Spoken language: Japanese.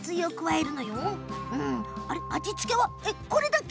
えっと、味付けはこれだけ？